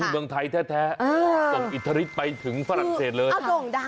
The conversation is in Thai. เมืองไทยแท้ส่งอิทธิฤทธิไปถึงฝรั่งเศสเลย